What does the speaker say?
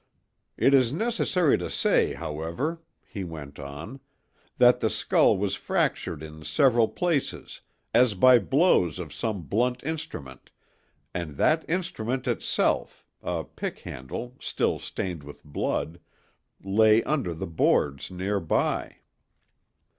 "It is necessary to say, however," he went on, "that the skull was fractured in several places, as by blows of some blunt instrument; and that instrument itself—a pick handle, still stained with blood—lay under the boards near by."